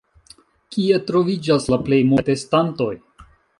Kie troviĝas la plej multaj testantoj?